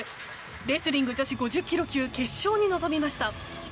レスリング女子５０ｋｇ級決勝に臨みました。